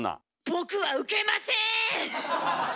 「僕はウケません！」。